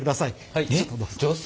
はい。